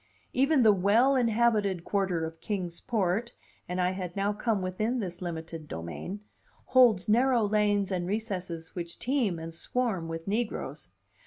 Even the well inhabited quarter of Kings Port (and I had now come within this limited domain) holds narrow lanes and recesses which teem and swarm with negroes.